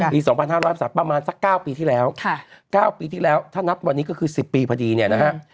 ปี๒๕๓ประมาณสัก๙ปีที่แล้ว๙ปีที่แล้วถ้านับวันนี้ก็คือ๑๐ปีพอดีเนี่ยนะฮะ